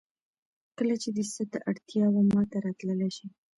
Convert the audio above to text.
کله چې دې څه ته اړتیا وه ماته راتللی شې